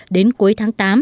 đến cuối tháng tám